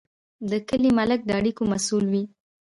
د کلي ملک د اړیکو مسوول وي.